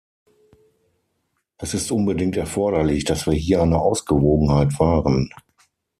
Es ist unbedingt erforderlich, dass wir hier eine Ausgewogenheit wahren.